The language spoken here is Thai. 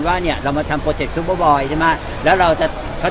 คนม้อเสียแทนละกัน